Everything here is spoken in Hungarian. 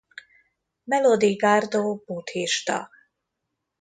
Melody Gardot buddhista.